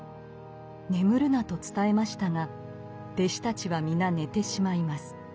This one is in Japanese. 眠るなと伝えましたが弟子たちは皆寝てしまいます。